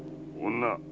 ・女。